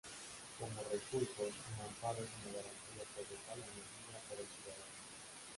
Como recurso, el amparo es una garantía procesal añadida para el ciudadano.